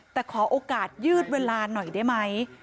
แต่ขอโอกาสยืดเวลาหน่อยได้ไหม